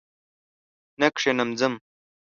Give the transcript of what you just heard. نه کښېنم ځم!